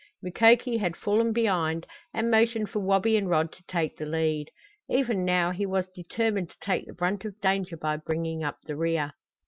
Mukoki had fallen behind and motioned for Wabi and Rod to take the lead. Even now he was determined to take the brunt of danger by bringing up the rear.